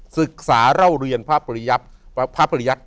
ศึกษาเล่าเรียนพระปริยัติ